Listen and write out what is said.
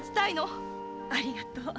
ありがとう。